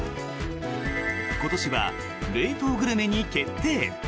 今年は冷凍グルメに決定。